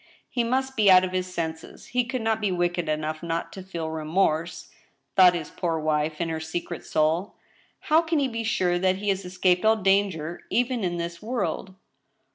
*' He must be out of his senses ; he could not be wicked enough not to feel remorse," thought his poor wife, in her secret souL *' How can he be sure that he has escaped all danger even in this world?"